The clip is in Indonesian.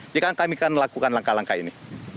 jadi kami akan melakukan langkah langkah ini